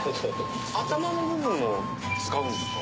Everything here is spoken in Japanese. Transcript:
頭の部分を使うんですか？